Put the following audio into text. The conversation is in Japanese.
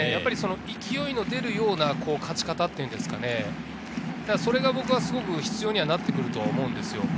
勢いの出るような勝ち方というか、それが僕は必要になってくると思うんです。